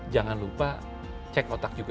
jangan lupa cek otak juga